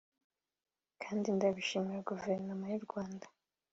kandi ndabishimira Guverinoma y’u Rwanda